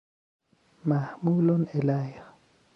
محمول الیه